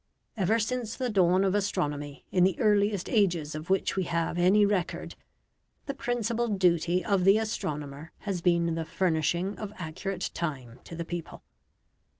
Ever since the dawn of astronomy, in the earliest ages of which we have any record, the principal duty of the astronomer has been the furnishing of accurate time to the people.